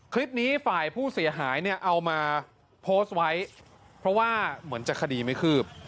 คลิปนี้ฝ่ายผู้เสียหายเนี่ยเอามาโพสต์ไว้เพราะว่าเหมือนจะคดีไม่คืบ